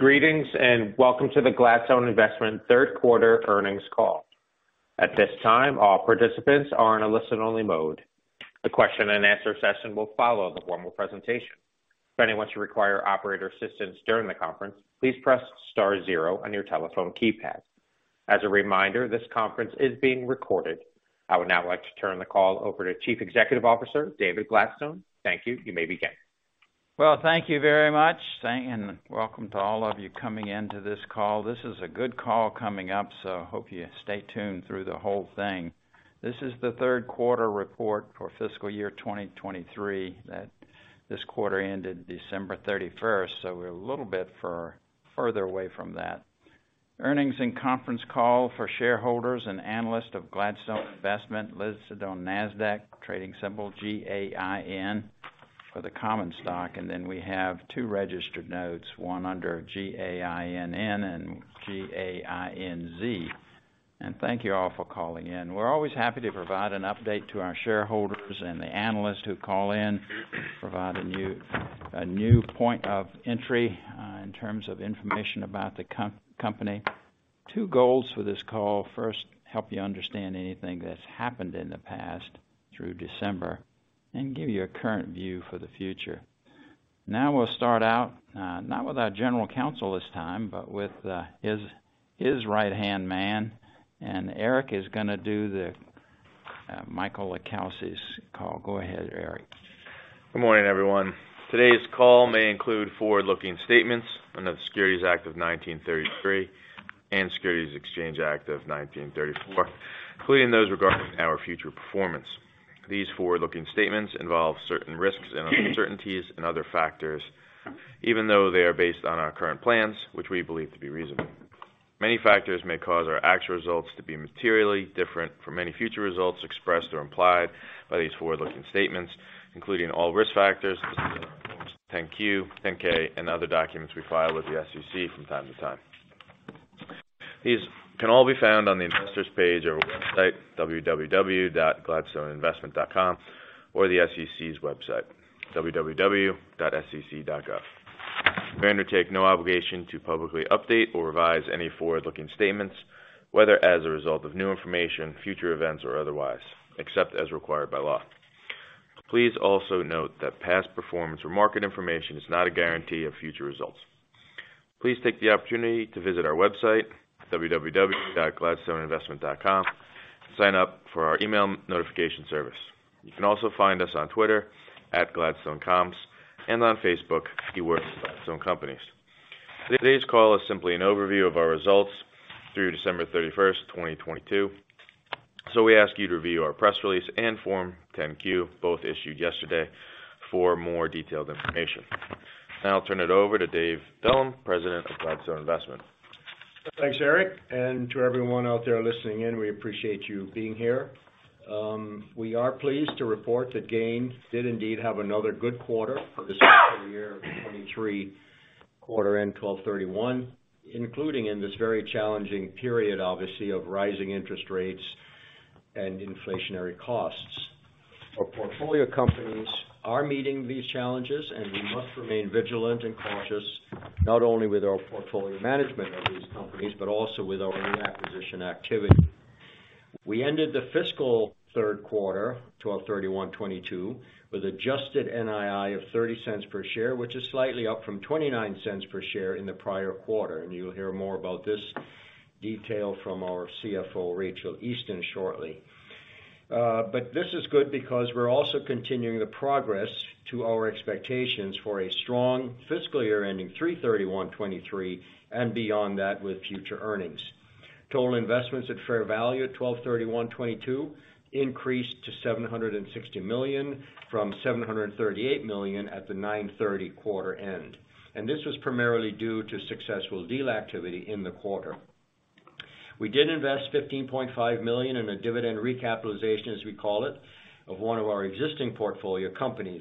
Greetings. Welcome to the Gladstone Investment Third Quarter Earnings Call. At this time, all participants are in a listen-only mode. The question and answer session will follow the formal presentation. If anyone should require operator assistance during the conference, please press star zero on your telephone keypad. As a reminder, this conference is being recorded. I would now like to turn the call over to Chief Executive Officer, David Gladstone. Thank you. You may begin. Well, thank you very much. Thank you and welcome to all of you coming into this call. This is a good call coming up, so hope you stay tuned through the whole thing. This is the third quarter report for fiscal year 2023 that this quarter ended December 31st, so we're a little bit further away from that. Earnings and conference call for shareholders and analysts of Gladstone Investment listed on NASDAQ, trading symbol GAIN for the common stock. We have two registered notes, one under GAINN and GAINZ. Thank you all for calling in. We're always happy to provide an update to our shareholders and the analysts who call in, provide a new point of entry in terms of information about the company. Two goals for this call. First, help you understand anything that's happened in the past through December and give you a current view for the future. We'll start out, not with our general counsel this time, but with his right-hand man, and Eric is gonna do the Michael LiCalsi's call. Go ahead, Eric. Good morning everyone. Today's call may include forward-looking statements under the Securities Act of 1933 and Securities Exchange Act of 1934, including those regarding our future performance. These forward-looking statements involve certain risks and uncertainties and other factors, even though they are based on our current plans, which we believe to be reasonable. Many factors may cause our actual results to be materially different from any future results expressed or implied by these forward-looking statements, including all risk factors. This is Form 10-Q, Form 10-K, and other documents we file with the SEC from time to time. These can all be found on the investors page of our website, www.gladstoneinvestment.com, or the SEC's website, www.sec.gov. We undertake no obligation to publicly update or revise any forward-looking statements, whether as a result of new information, future events, or otherwise, except as required by law. Please also note that past performance or market information is not a guarantee of future results. Please take the opportunity to visit our website, www.gladstoneinvestment.com, sign up for our email notification service. You can also find us on Twitter, @GladstoneComms, and on Facebook, keywords Gladstone Companies. Today's call is simply an overview of our results through December 31st, 2022. We ask you to review our press release and Form 10-Q, both issued yesterday for more detailed information. Now I'll turn it over to David Dullum, President of Gladstone Investment. Thanks Eric. To everyone out there listening in, we appreciate you being here. We are pleased to report that GAIN did indeed have another good quarter for the fiscal year 2023 quarter end 12/31, including in this very challenging period, obviously, of rising interest rates and inflationary costs. Our portfolio companies are meeting these challenges, and we must remain vigilant and cautious, not only with our portfolio management of these companies, but also with our new acquisition activity. We ended the fiscal third quarter, 12/31/2022, with adjusted NII of $0.30 per share, which is slightly up from $0.29 per share in the prior quarter. You'll hear more about this detail from our CFO, Rachael Easton, shortly. This is good because we're also continuing the progress to our expectations for a strong fiscal year ending 3/31/2023 and beyond that with future earnings. Total investments at fair value at 12/31/2022 increased to $760 million from $738 million at the 9/30 quarter end. This was primarily due to successful deal activity in the quarter. We did invest $15.5 million in a dividend recapitalization, as we call it, of one of our existing portfolio companies.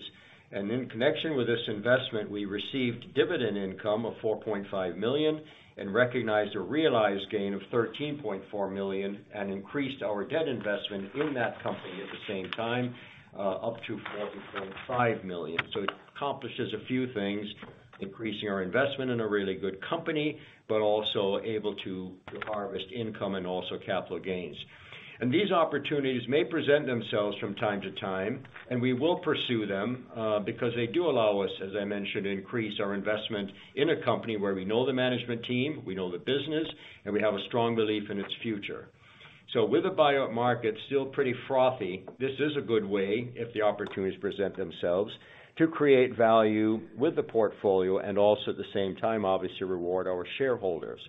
In connection with this investment, we received dividend income of $4.5 million and recognized a realized gain of $13.4 million and increased our debt investment in that company at the same time, up to $14.5 million. It accomplishes a few things, increasing our investment in a really good company, but also able to harvest income and also capital gains. These opportunities may present themselves from time to time, and we will pursue them, because they do allow us, as I mentioned, to increase our investment in a company where we know the management team, we know the business, and we have a strong belief in its future. With the buyout market still pretty frothy, this is a good way if the opportunities present themselves to create value with the portfolio and also at the same time, obviously reward our shareholders.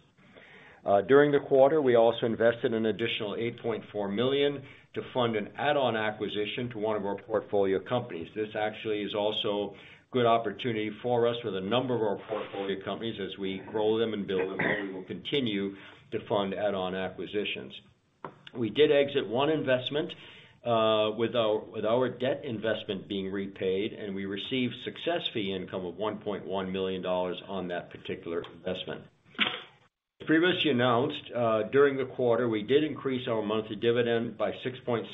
During the quarter, we also invested an additional $8.4 million to fund an add-on acquisition to one of our portfolio companies. This actually is also good opportunity for us with a number of our portfolio companies as we grow them and build them, and we will continue to fund add-on acquisitions. We did exit one investment with our debt investment being repaid, and we received success fee income of $1.1 million on that particular investment. Previously announced, during the quarter, we did increase our monthly dividend by 6.7%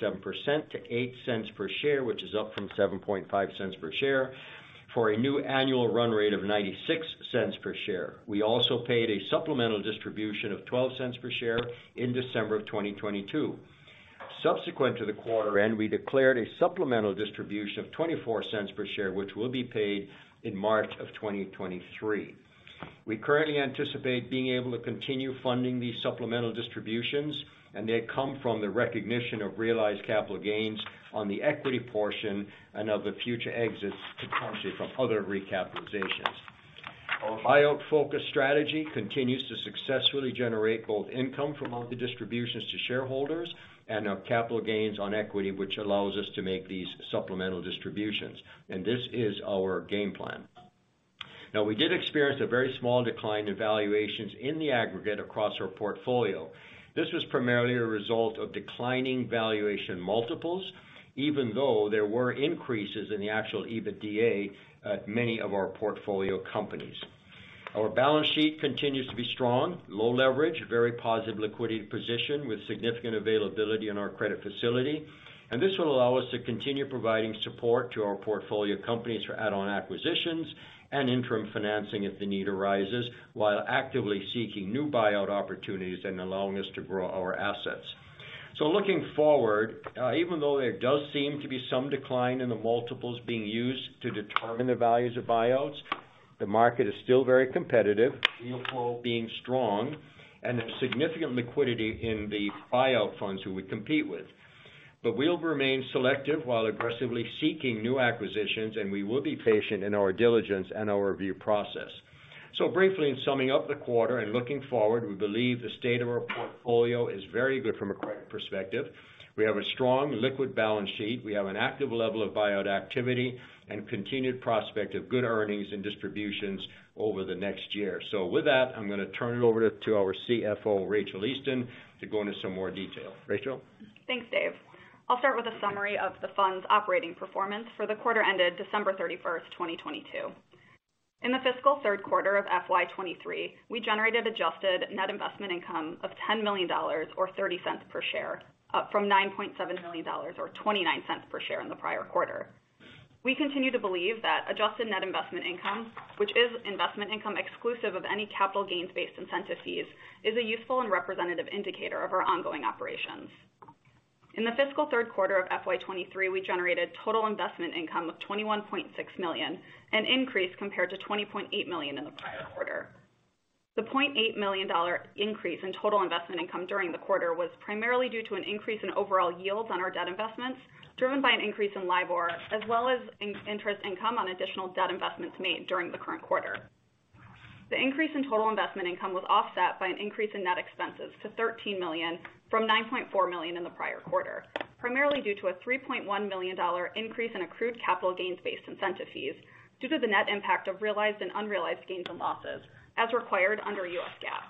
to $0.08 per share, which is up from $0.075 per share for a new annual run rate of $0.96 per share. We also paid a supplemental distribution of $0.12 per share in December of 2022. Subsequent to the quarter end, we declared a supplemental distribution of $0.24 per share, which will be paid in March of 2023. We currently anticipate being able to continue funding these supplemental distributions, they come from the recognition of realized capital gains on the equity portion and of the future exits to come from other recapitalizations. Our buyout focus strategy continues to successfully generate both income from monthly distributions to shareholders and our capital gains on equity, which allows us to make these supplemental distributions. This is our game plan. Now we did experience a very small decline in valuations in the aggregate across our portfolio. This was primarily a result of declining valuation multiples, even though there were increases in the actual EBITDA at many of our portfolio companies. Our balance sheet continues to be strong, low leverage, very positive liquidity position with significant availability in our credit facility. This will allow us to continue providing support to our portfolio companies for add-on acquisitions and interim financing if the need arises, while actively seeking new buyout opportunities and allowing us to grow our assets. Looking forward, even though there does seem to be some decline in the multiples being used to determine the values of buyouts, the market is still very competitive, deal flow being strong and there's significant liquidity in the buyout funds who we compete with. We'll remain selective while aggressively seeking new acquisitions, and we will be patient in our diligence and our review process. Briefly, in summing up the quarter and looking forward, we believe the state of our portfolio is very good from a credit perspective. We have a strong liquid balance sheet. We have an active level of buyout activity and continued prospect of good earnings and distributions over the next year. With that, I'm gonna turn it over to our CFO, Rachael Easton, to go into some more detail. Rachael. Thanks Dave. I'll start with a summary of the fund's operating performance for the quarter ended December 31st, 2022. In the fiscal third quarter of FY 2023, we generated adjusted net investment income of $10 million or $0.30 per share, up from $9.7 million or $0.29 per share in the prior quarter. We continue to believe that adjusted net investment income, which is investment income exclusive of any capital gains based incentive fees, is a useful and representative indicator of our ongoing operations. In the fiscal third quarter of FY 2023, we generated total investment income of $21.6 million, an increase compared to $20.8 million in the prior quarter. The $0.8 million increase in total investment income during the quarter was primarily due to an increase in overall yields on our debt investments, driven by an increase in LIBOR as well as in-interest income on additional debt investments made during the current quarter. The increase in total investment income was offset by an increase in net expenses to $13 million from $9.4 million in the prior quarter, primarily due to a $3.1 million increase in accrued capital gains-based incentive fees due to the net impact of realized and unrealized gains and losses as required under U.S. GAAP.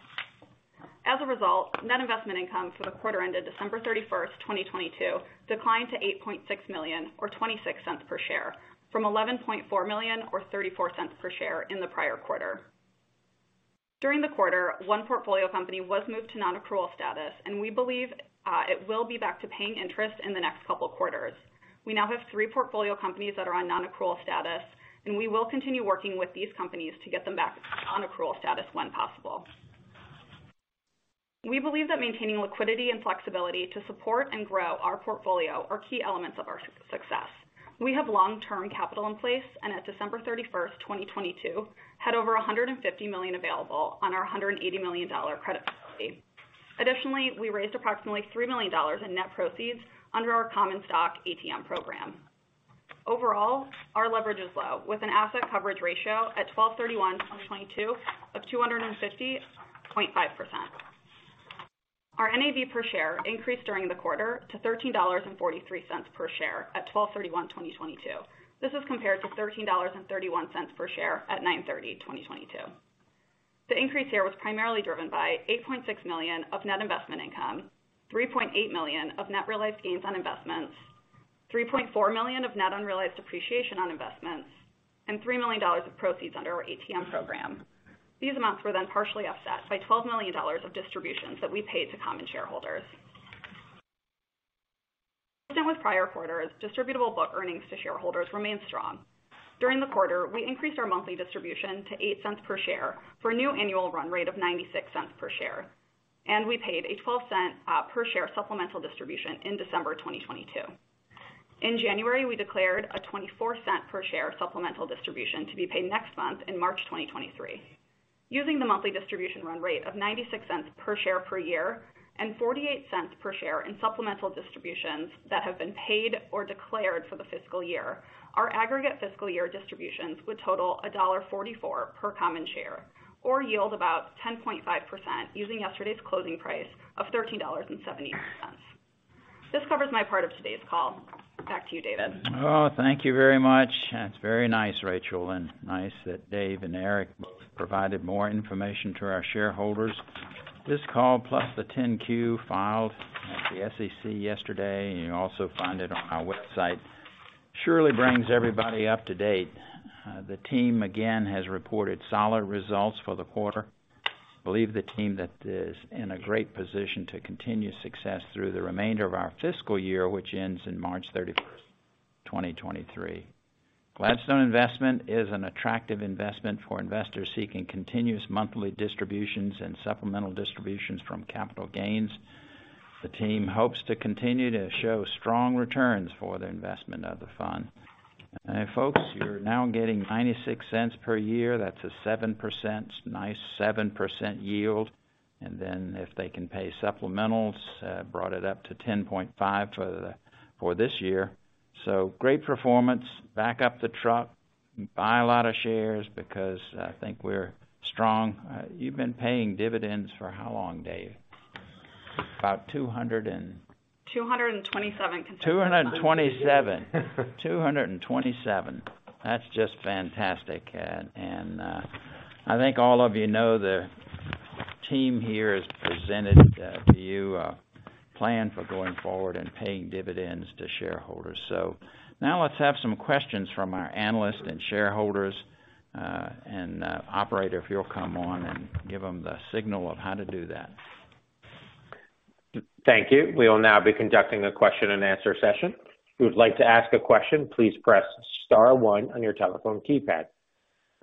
As a result, net investment income for the quarter ended December 31st, 2022, declined to $8.6 million or $0.26 per share from $11.4 million or $0.34 per share in the prior quarter. During the quarter, one portfolio company was moved to non-accrual status. We believe it will be back to paying interest in the next couple quarters. We now have three portfolio companies that are on non-accrual status. We will continue working with these companies to get them back on accrual status when possible. We believe that maintaining liquidity and flexibility to support and grow our portfolio are key elements of our success. We have long-term capital in place. At December 31st, 2022, had over $150 million available on our $180 million credit facility. Additionally, we raised approximately $3 million in net proceeds under our common stock ATM program. Overall, our leverage is low with an asset coverage ratio at 12/31/2022 of 250.5%. Our NAV per share increased during the quarter to $13.43 per share at 12/31/2022. This is compared to $13.31 per share at 9/30/2022. The increase here was primarily driven by $8.6 million of net investment income, $3.8 million of net realized gains on investments, $3.4 million of net unrealized appreciation on investments, and $3 million of proceeds under our ATM program. These amounts were partially offset by $12 million of distributions that we paid to common shareholders. Consistent with prior quarters, distributable book earnings to shareholders remained strong. During the quarter, we increased our monthly distribution to $0.08 per share for a new annual run rate of $0.96 per share, and we paid a $0.12 per share supplemental distribution in December 2022. In January, we declared a $0.24 per share supplemental distribution to be paid next month in March 2023. Using the monthly distribution run rate of $0.96 per share per year and $0.48 per share in supplemental distributions that have been paid or declared for the fiscal year. Our aggregate fiscal year distributions would total $1.44 per common share or yield about 10.5% using yesterday's closing price of $13.78. This covers my part of today's call. Back to you, David. Oh, thank you very much. That's very nice, Rachael, and nice that Dave and Eric both provided more information to our shareholders. This call plus the 10-Q filed at the SEC yesterday, and you'll also find it on our website. Surely brings everybody up to date. The team again has reported solid results for the quarter. Believe the team that is in a great position to continue success through the remainder of our fiscal year, which ends in March 31st, 2023. Gladstone Investment is an attractive investment for investors seeking continuous monthly distributions and supplemental distributions from capital gains. The team hopes to continue to show strong returns for the investment of the fund. Folks, you're now getting $0.96 per year. That's a 7%, nice 7% yield. Then if they can pay supplementals, brought it up to 10.5% for this year. Great performance. Back up the truck. Buy a lot of shares because I think we're strong. You've been paying dividends for how long, Dave? About two hundred and. 227 consecutive. 227. 227. That's just fantastic. I think all of you know the team here has presented to you a plan for going forward and paying dividends to shareholders. now let's have some questions from our analysts and shareholders. Operator, if you'll come on and give them the signal of how to do that. Thank you. We will now be conducting a question and answer session. If you would like to ask a question, please press star one on your telephone keypad.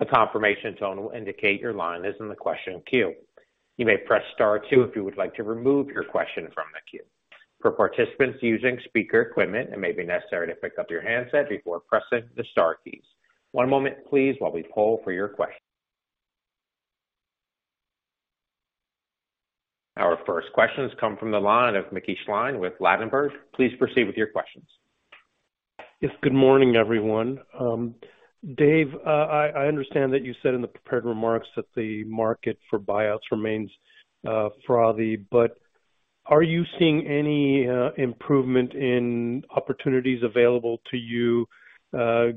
A confirmation tone will indicate your line is in the question queue. You may press star two if you would like to remove your question from the queue. For participants using speaker equipment, it may be necessary to pick up your handset before pressing the star keys. One moment please while we poll for your question. Our first question has come from the line of Mickey Schleien with Ladenburg. Please proceed with your questions. Yes. Good morning everyone. Dave, I understand that you said in the prepared remarks that the market for buyouts remains frothy, but are you seeing any improvement in opportunities available to you,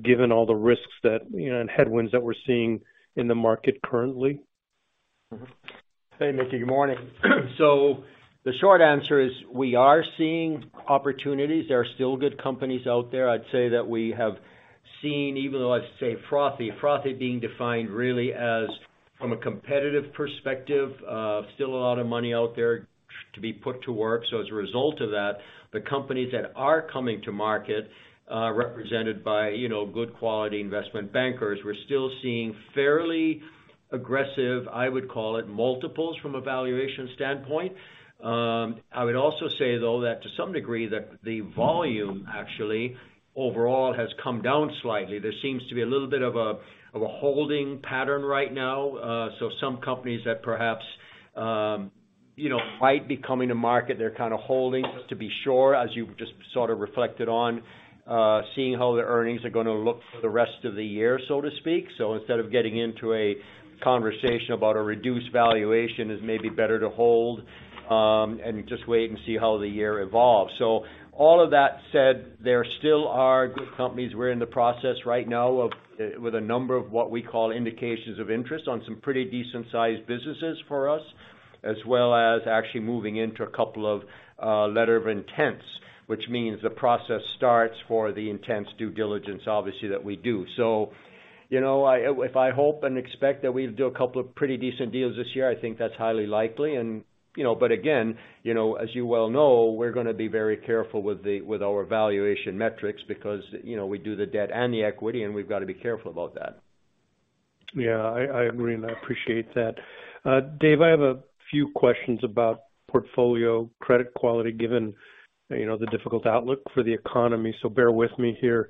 given all the risks that, you know, and headwinds that we're seeing in the market currently? Hey Mickey. Good morning. The short answer is we are seeing opportunities. There are still good companies out there. I'd say that we have seen, even though I say frothy being defined really as from a competitive perspective, still a lot of money out there to be put to work. As a result of that, the companies that are coming to market, represented by, you know, good quality investment bankers, we're still seeing fairly aggressive, I would call it, multiples from a valuation standpoint. I would also say though that to some degree, the volume actually overall has come down slightly. There seems to be a little bit of a holding pattern right now. Some companies that perhaps, you know, might be coming to market, they're kind of holding just to be sure, as you just sort of reflected on, seeing how their earnings are going to look for the rest of the year, so to speak. Instead of getting into a conversation about a reduced valuation, it's maybe better to hold, and just wait and see how the year evolves. All of that said, there still are good companies. We're in the process right now of, with a number of what we call indications of interest on some pretty decent sized businesses for us, as well as actually moving into a couple of, letters of intent, which means the process starts for the intents due diligence, obviously, that we do. You know, I, if I hope and expect that we'll do a couple of pretty decent deals this year, I think that's highly likely, you know, but again, you know, as you well know, we're gonna be very careful with our valuation metrics because, you know, we do the debt and the equity, and we've got to be careful about that. Yeah, I agree, and I appreciate that. Dave, I have a few questions about portfolio credit quality, given, you know, the difficult outlook for the economy, bear with me here.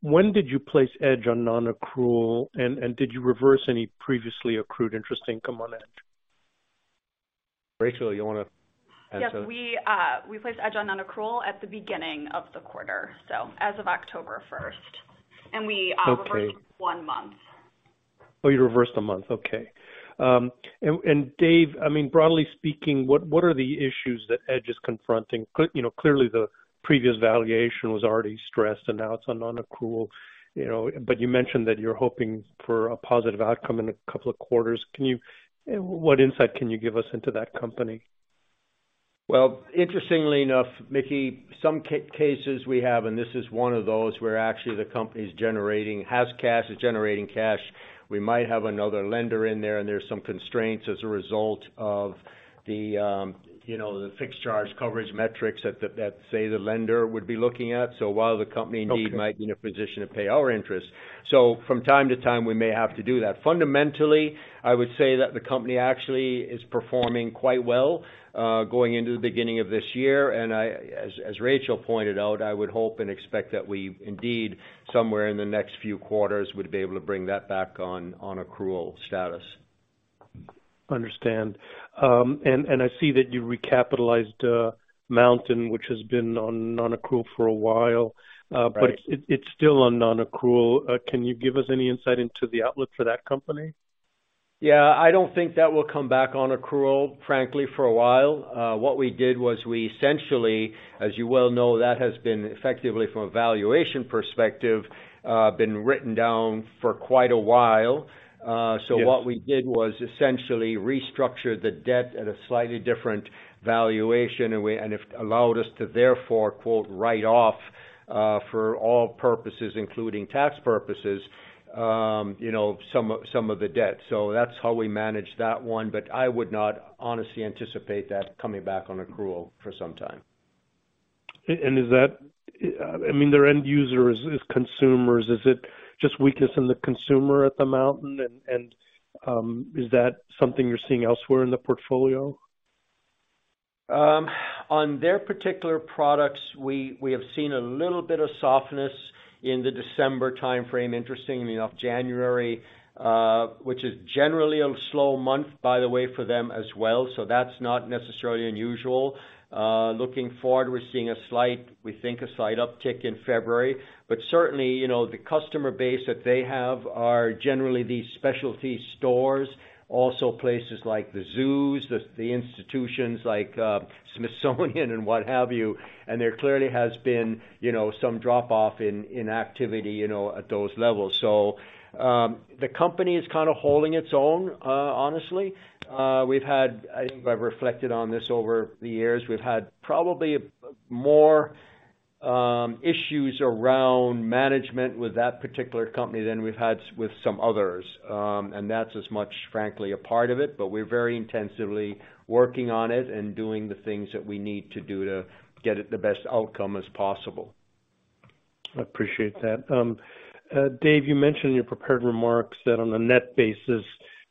When did you place Edge on non-accrual, and did you reverse any previously accrued interest income on Edge? Rachael, you wanna answer? Yes, we placed Edge on non-accrual at the beginning of the quarter, so as of October 1st. Okay. We reversed one month. Oh, you reversed a month. Okay. Dave, I mean, broadly speaking, what are the issues that Edge is confronting? You know, clearly the previous valuation was already stressed, and now it's on non-accrual, you know. You mentioned that you're hoping for a positive outcome in a couple of quarters. What insight can you give us into that company? Well, interestingly enough, Mickey, some cases we have, and this is one of those, where actually the company's generating has cash, is generating cash. We might have another lender in there, and there's some constraints as a result of the, you know, the fixed-charge coverage metrics that, say, the lender would be looking at. While the company indeed. Okay. Might be in a position to pay our interest. From time to time, we may have to do that. Fundamentally, I would say that the company actually is performing quite well, going into the beginning of this year. I, as Rachael pointed out, I would hope and expect that we indeed, somewhere in the next few quarters, would be able to bring that back on accrual status. Understand. I see that you recapitalized, Mountain, which has been on non-accrual for a while. Right. It's still on non-accrual. Can you give us any insight into the outlook for that company? Yeah. I don't think that will come back on accrual, frankly, for a while. What we did was we essentially, as you well know, that has been effectively from a valuation perspective, been written down for quite a while. Yes. What we did was essentially restructured the debt at a slightly different valuation, and it allowed us to therefore, quote, "write off," for all purposes, including tax purposes, you know, some of the debt. That's how we managed that one. I would not honestly anticipate that coming back on accrual for some time. Is that, I mean, their end user is consumers? Is it just weakness in the consumer at The Mountain? Is that something you're seeing elsewhere in the portfolio? On their particular products, we have seen a little bit of softness in the December timeframe, interestingly enough, January, which is generally a slow month, by the way, for them as well. That's not necessarily unusual. Looking forward, we're seeing a slight, we think a slight uptick in February. You know, the customer base that they have are generally these specialty stores, also places like the zoos, the institutions like Smithsonian and what have you. There clearly has been, you know, some dropoff in activity, you know, at those levels. The company is kind of holding its own, honestly. I think I've reflected on this over the years. We've had probably more issues around management with that particular company than we've had with some others. That's as much frankly a part of it, but we're very intensively working on it and doing the things that we need to do to get it the best outcome as possible. I appreciate that. Dave, you mentioned in your prepared remarks that on a net basis,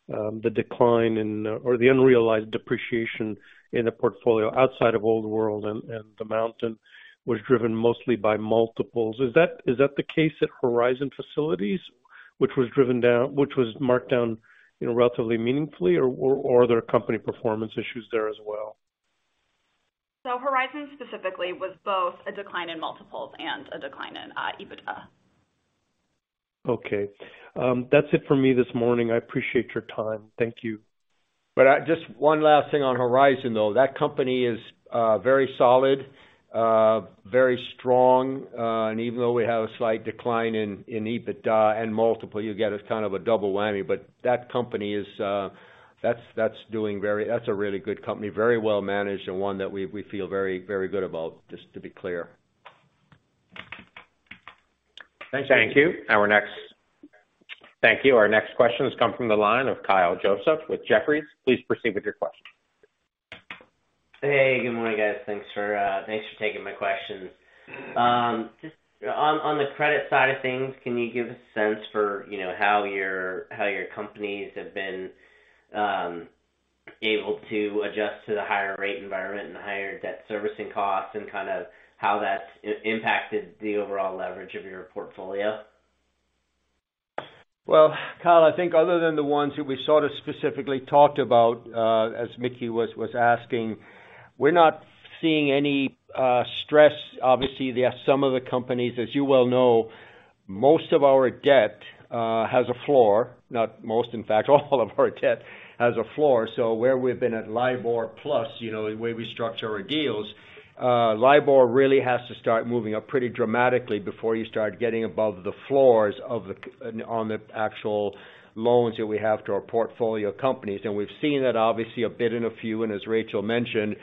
the decline in, or the unrealized depreciation in the portfolio outside of Old World and The Mountain was driven mostly by multiples. Is that the case at Horizon Facilities, which was marked down, you know, relatively meaningfully? Or are there company performance issues there as well? Horizon specifically was both a decline in multiples and a decline in EBITDA. Okay. That's it for me this morning. I appreciate your time. Thank you. Just one last thing on Horizon, though. That company is very solid, very strong. Even though we have a slight decline in EBITDA and multiple, you get a kind of a double whammy. That company is a really good company, very well managed, and one that we feel very good about, just to be clear. Thank you. Thank you. Our next question has come from the line of Kyle Joseph with Jefferies. Please proceed with your question. Hey, good morning guys. Thanks for, thanks for taking my questions. Just on the credit side of things, can you give a sense for, you know, how your companies have been able to adjust to the higher rate environment and the higher debt servicing costs, and kind of how that's impacted the overall leverage of your portfolio? Kyle, I think other than the ones that we sort of specifically talked about, as Mickey was asking, we're not seeing any stress. Obviously, there are some of the companies, as you well know, most of our debt has a floor. Not most, in fact, all of our debt has a floor. Where we've been at LIBOR plus, you know, the way we structure our deals, LIBOR really has to start moving up pretty dramatically before you start getting above the floors on the actual loans that we have to our portfolio companies. We've seen it obviously a bit in a few, and as Rachael mentioned,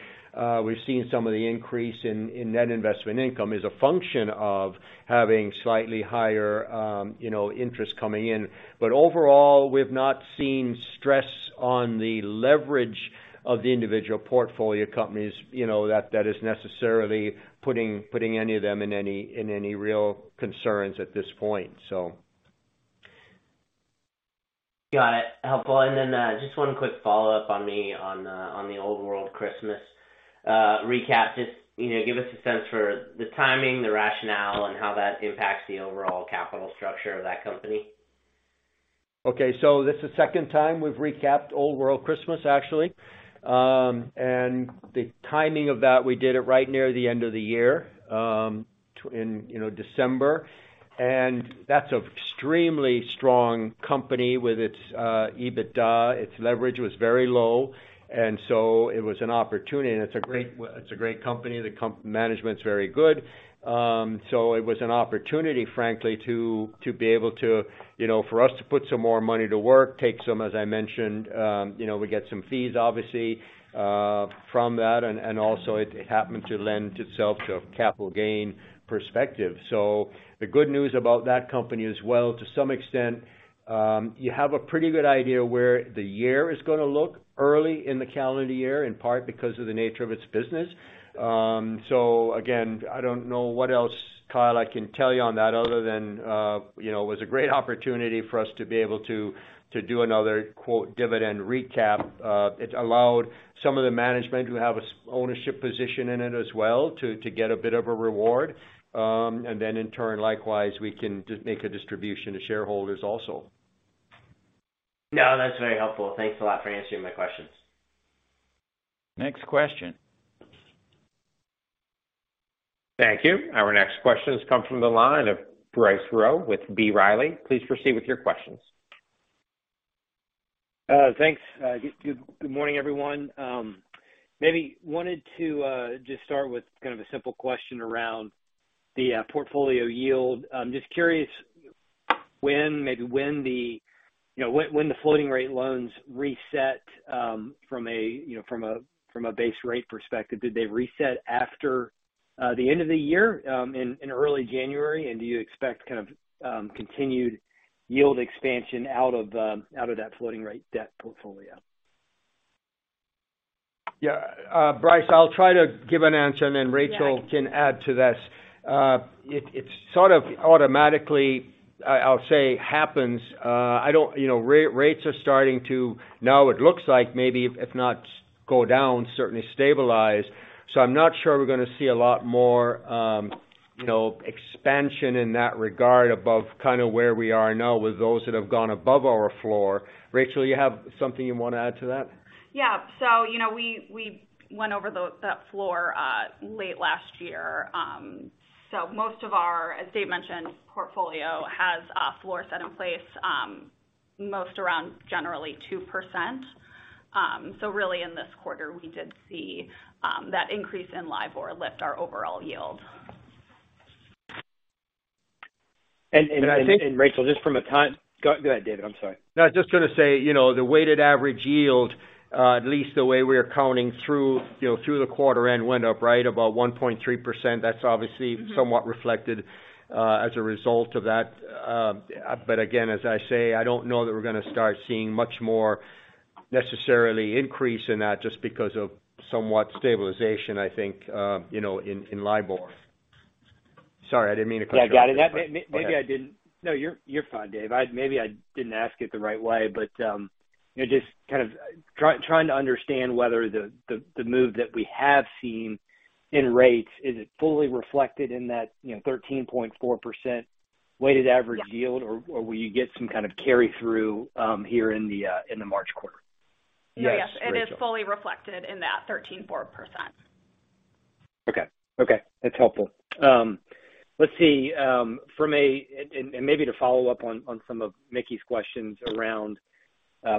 we've seen some of the increase in net investment income as a function of having slightly higher, you know, interest coming in. Overall, we've not seen stress on the leverage of the individual portfolio companies, you know, that is necessarily putting any of them in any real concerns at this point. Got it. Helpful. Just one quick follow-up on the, on the Old World Christmas recap. Just, you know, give us a sense for the timing, the rationale, and how that impacts the overall capital structure of that company. This is the second time we've recapped Old World Christmas, actually. The timing of that, we did it right near the end of the year, in, you know, December. That's an extremely strong company with its EBITDA. Its leverage was very low, and so it was an opportunity. It's a great it's a great company. The management's very good. It was an opportunity, frankly, to be able to, you know, for us to put some more money to work, take some, as I mentioned, you know, we get some fees obviously, from that, and also it happened to lend itself to a capital gain perspective. The good news about that company as well to some extent, you have a pretty good idea where the year is gonna look early in the calendar year, in part because of the nature of its business. Again, I don't know what else, Kyle, I can tell you on that other than, you know, it was a great opportunity for us to be able to do another, quote, "dividend recap." It allowed some of the management who have a ownership position in it as well to get a bit of a reward. In turn, likewise, we can make a distribution to shareholders also. No, that's very helpful. Thanks a lot for answering my questions. Next question. Thank you. Our next question has come from the line of Bryce Rowe with B. Riley Securities. Please proceed with your questions. Thanks. Good morning everyone. Maybe wanted to just start with kind of a simple question around the portfolio yield. I'm just curious when, maybe when the, you know, when the floating rate loans reset from a, you know, from a base rate perspective. Did they reset after the end of the year in early January? Do you expect kind of continued yield expansion out of that floating rate debt portfolio? Yeah. Bryce Rowe, I'll try to give an answer and then Rachael can add to this. It sort of automatically, I'll say happens. I don't, you know, rates are starting to now it looks like maybe if not go down, certainly stabilize. I'm not sure we're gonna see a lot more, you know, expansion in that regard above kinda where we are now with those that have gone above our floor. Rachael, you have something you wanna add to that? Yeah. You know, we went over that floor, late last year. Most of our, as Dave mentioned, portfolio has a floor set in place, most around generally 2%. Really in this quarter, we did see, that increase in LIBOR lift our overall yield. I think. And I think. Rachael, just from a. Go ahead, David. I'm sorry. No, I was just gonna say, you know, the weighted average yield, at least the way we're counting through, you know, through the quarter-end went up, right, about 1.3%. That's obviously. Mm-hmm. somewhat reflected, as a result of that. Again, as I say, I don't know that we're gonna start seeing much more necessarily increase in that just because of somewhat stabilization, I think, you know, in LIBOR. Sorry, I didn't mean to cut you off. Yeah, go ahead. Maybe I didn't. No, you're fine, Dave. Maybe I didn't ask it the right way, but, you know, just kind of trying to understand whether the move that we have seen in rates, is it fully reflected in that, you know, 13.4% weighted average yield? Yeah. Will you get some kind of carry-through, here in the March quarter? Yes, Rachael. Yeah. It is fully reflected in that 13.4%. Okay. Okay. That's helpful. Let's see, for me, and maybe to follow up on some of Mickey's questions around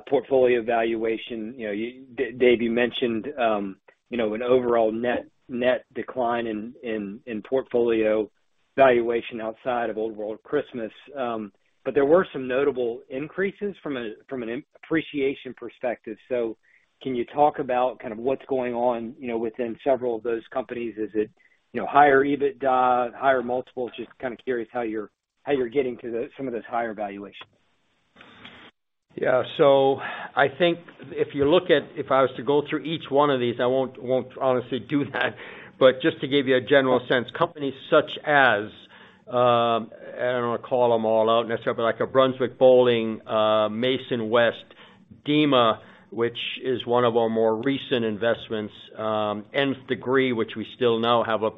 portfolio valuation. You know, you Dave, you mentioned, you know, an overall net decline in, in portfolio valuation outside of Old World Christmas. There were some notable increases from a, from an appreciation perspective. Can you talk about kind of what's going on, you know, within several of those companies? Is it, you know, higher EBITDA, higher multiples? Just kind of curious how you're, how you're getting to the some of those higher valuations. I think if you look at, if I was to go through each one of these, I won't honestly do that. But just to give you a general sense, companies such as, I don't wanna call them all out necessarily, like a Brunswick Bowling, Mason West, Dema, which is one of our more recent investments, Nth Degree, which we still now have an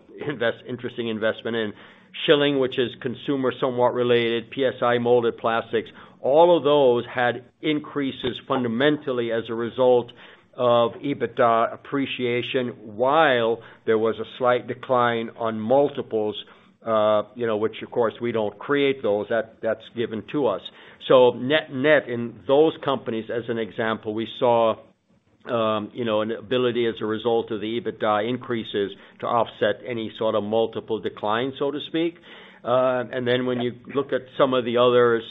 interesting investment in. Schylling, which is consumer somewhat related, PSI Molded Plastics. All of those had increases fundamentally as a result of EBITDA appreciation, while there was a slight decline on multiples, you know, which of course we don't create those, that's given to us, net-net in those companies, as an example, we saw, you know, an ability as a result of the EBITDA increases to offset any sort of multiple decline, so to speak. Yeah. When you look at some of the others,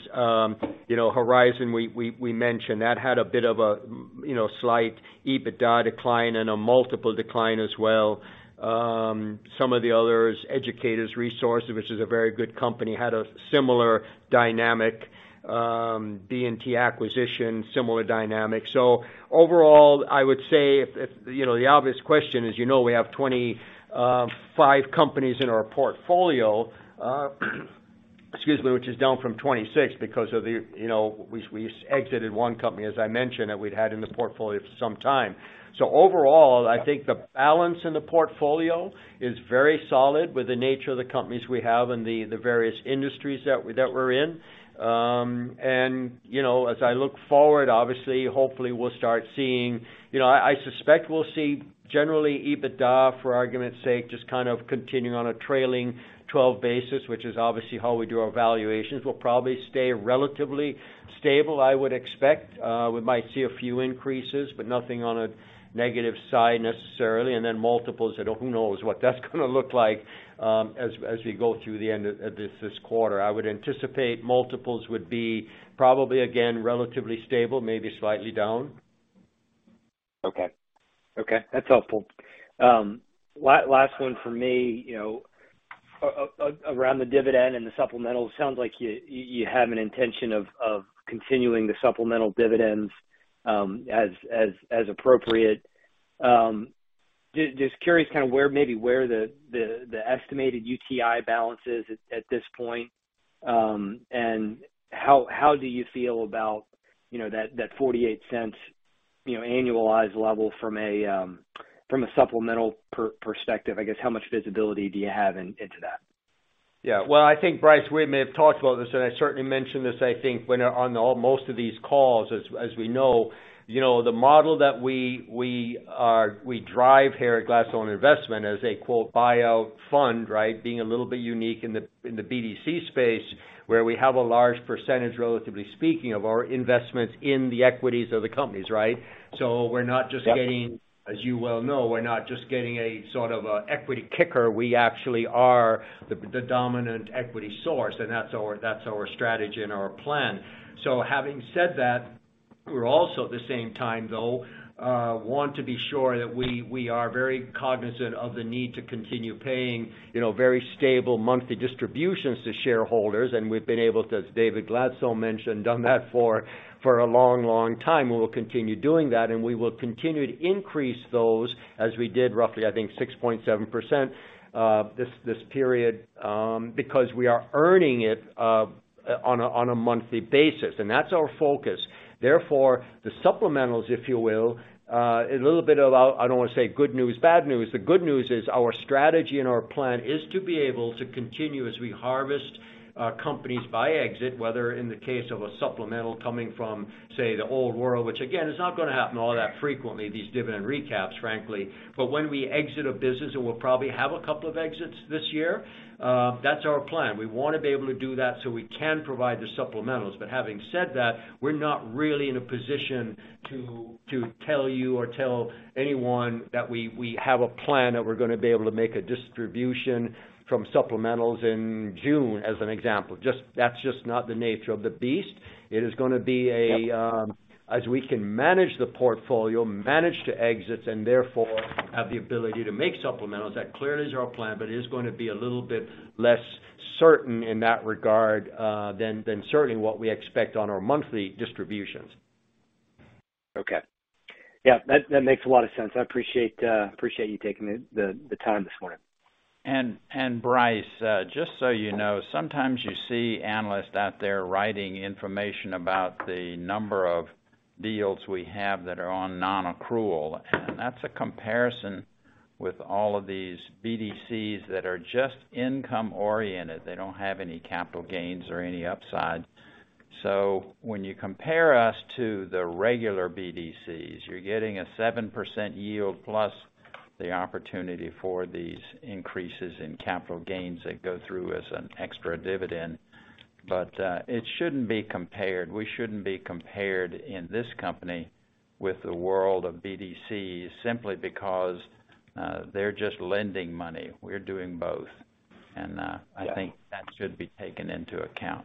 you know, Horizon, we mentioned. That had a bit of a, you know, slight EBITDA decline and a multiple decline as well. Some of the others, Educators Resource, which is a very good company, had a similar dynamic, D&T acquisition, similar dynamic. Overall, I would say if you know, the obvious question is, you know, we have 25 companies in our portfolio, excuse me, which is down from 26 because of the, you know, we exited one company, as I mentioned, that we'd had in the portfolio for some time. Overall, I think the balance in the portfolio is very solid with the nature of the companies we have and the various industries that we're in. You know, as I look forward, obviously, hopefully we'll start seeing, you know, I suspect we'll see generally EBITDA, for argument's sake, just kind of continuing on a trailing 12 basis, which is obviously how we do our valuations, will probably stay relatively stable, I would expect. We might see a few increases, but nothing on a negative side necessarily. Multiples, who knows what that's gonna look like, as we go through the end of this quarter. I would anticipate multiples would be probably, again, relatively stable, maybe slightly down. Okay. Okay. That's helpful. last one for me, you know, around the dividend and the supplemental. Sounds like you have an intention of continuing the supplemental dividends as appropriate. just curious kind of where maybe where the estimated UTI balance is at this point. How do you feel about, you know, that $0.48, you know, annualized level from a supplemental perspective? I guess, how much visibility do you have into that? Yeah. Well, I think, Bryce, we may have talked about this, and I certainly mentioned this, I think, when on all most of these calls, as we know. You know, the model that we drive here at Gladstone Investment as a, quote, "buyout fund," right? Being a little bit unique in the, in the BDC space, where we have a large percentage, relatively speaking, of our investments in the equities of the companies, right? We're not just getting. Yep. As you well know, we're not just getting a sort of a equity kicker. We actually are the dominant equity source, and that's our strategy and our plan. Having said that-We're also, at the same time, though, want to be sure that we are very cognizant of the need to continue paying, you know, very stable monthly distributions to shareholders. We've been able to, as David Gladstone mentioned, done that for a long, long time. We will continue doing that, and we will continue to increase those as we did roughly, I think, 6.7%, this period, because we are earning it, on a monthly basis. That's our focus. Therefore, the supplementals, if you will, a little bit of, I don't wanna say good news, bad news. The good news is our strategy and our plan is to be able to continue as we harvest companies by exit, whether in the case of a supplemental coming from, say, the Old World. Which again, is not going to happen all that frequently, these dividend recaps, frankly. When we exit a business, and we'll probably have a couple of exits this year, that's our plan. We want to be able to do that so we can provide the supplementals. Having said that, we're not really in a position to tell you or tell anyone that we have a plan that we're going to be able to make a distribution from supplementals in June, as an example. That's just not the nature of the beast. It is gonna be a, as we can manage the portfolio, manage to exit, and therefore have the ability to make supplementals. That clearly is our plan, but it is gonna be a little bit less certain in that regard, than certainly what we expect on our monthly distributions. Okay. Yeah. That makes a lot of sense. I appreciate you taking the time this morning. Bryce, just so you know, sometimes you see analysts out there writing information about the number of deals we have that are on non-accrual. That's a comparison with all of these BDCs that are just income oriented. They don't have any capital gains or any upside. When you compare us to the regular BDCs, you're getting a 7% yield plus the opportunity for these increases in capital gains that go through as an extra dividend. It shouldn't be compared. We shouldn't be compared in this company with the world of BDCs simply because, they're just lending money. We're doing both. Yeah. I think that should be taken into account.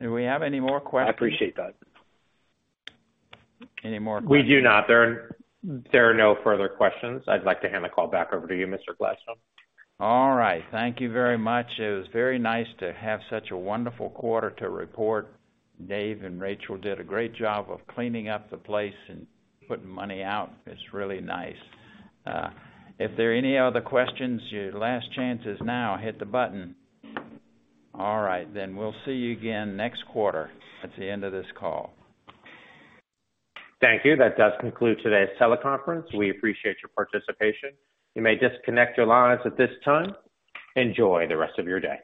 Do we have any more questions? I appreciate that. Any more questions? We do not. There are no further questions. I'd like to hand the call back over to you, Mr. Gladstone. Thank you very much. It was very nice to have such a wonderful quarter to report. Dave and Rachael did a great job of cleaning up the place and putting money out. It's really nice. If there are any other questions, your last chance is now. Hit the button. We'll see you again next quarter. That's the end of this call. Thank you. That does conclude today's teleconference. We appreciate your participation. You may disconnect your lines at this time. Enjoy the rest of your day.